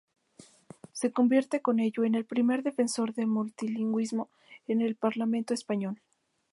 Se convierte con ello en el primer defensor del multilingüismo en el Parlamento español.